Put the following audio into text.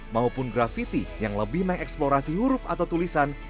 maupun grafiti yang lebih mengeksplorasi huruf atau tulisan